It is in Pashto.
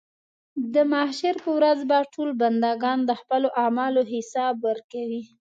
د محشر په ورځ به ټول بندګان د خپلو اعمالو حساب ورکوي.